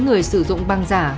người sử dụng bằng giả